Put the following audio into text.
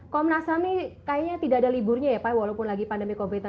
komnasami kayaknya tidak ada liburnya ya pak walaupun lagi pandemi covid sembilan belas